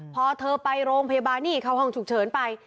พอเธอไปโรงพยาบาลนี่เข้าห้องฉุกเฉินไป